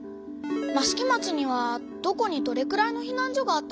益城町にはどこにどれくらいのひなん所があったの？